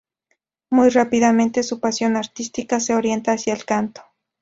Muy rápidamente, su pasión artística se orienta hacia el canto.